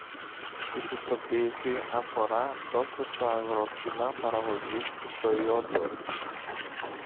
Η πιστοποίηση αφορά τόσο στο αγρόκτημα παραγωγής του προϊόντος